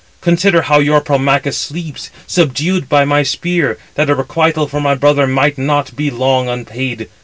Consider how your Promachus sleeps, subdued by my spear, that a requital for my brother might not be long unpaid.